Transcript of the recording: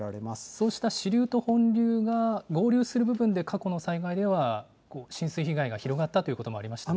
そうした支流と本流が合流する部分で過去の災害では、浸水被害が広がったということもありましたね。